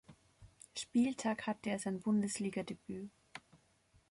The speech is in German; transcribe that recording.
Spieltag hatte er sein Bundesligadebüt.